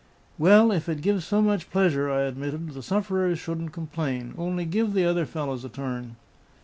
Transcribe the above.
"Well, if it gives so much pleasure," I admitted, "the sufferers shouldn't complain. Only give the other fellows a turn."